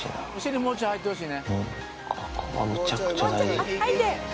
もうちょい入ってほしいね。